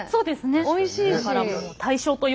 おいしいし。